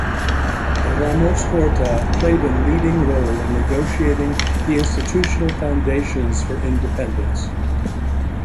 Ramos-Horta played a leading role in negotiating the institutional foundations for independence.